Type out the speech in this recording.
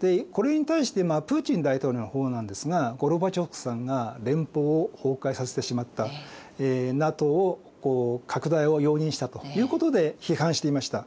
でこれに対してプーチン大統領の方なんですがゴルバチョフさんが連邦を崩壊させてしまったＮＡＴＯ拡大を容認したということで批判していました。